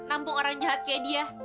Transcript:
nampung orang jahat kayak dia